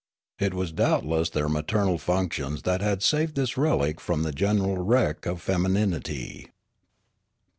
It was doubtless their maternal functions that had saved this relic from the general wreck of femininity.